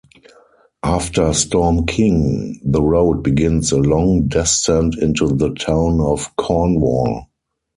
After Storm King, the road begins a long descent into the Town of Cornwall.